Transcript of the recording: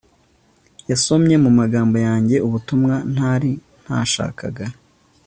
Yasomye mumagambo yanjye ubutumwa ntari nashakaga